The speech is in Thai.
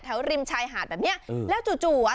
ริมชายหาดแบบเนี้ยอืมแล้วจู่จู่อ่ะ